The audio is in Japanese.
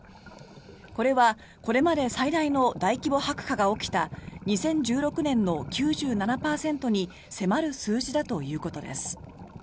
これは、これまで最大の大規模白化が起きた２０１６年の９７％に迫る数字だということです。